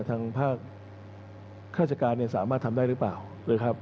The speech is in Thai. ทางภาคข้าชการเนี่ยสามารถทำได้หรือเปล่า